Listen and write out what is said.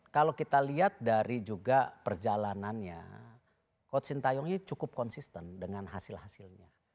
kalau kita lihat dari juga perjalanannya coach sintayong ini cukup konsisten dengan hasil hasilnya